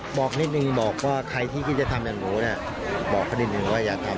พ่อบอกนิดนึงหมอบอกว่าใครที่กินจะทำอย่างหนูบอกประดิษฐ์หนูว่าอย่าทำ